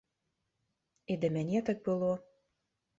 І да мяне так было.